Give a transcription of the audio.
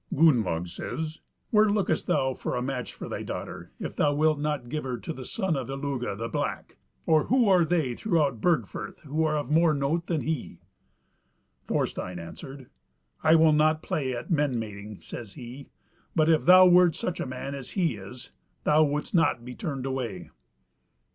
Gunnlaug says, "Where lookest thou for a match for thy daughter, if thou wilt not give her to the son of Illugi the Black; or who are they throughout Burg firth who are of more note than he?" Thorstein answered: "I will not play at men mating," says he, "but if thou wert such a man as he is, thou wouldst not be turned away."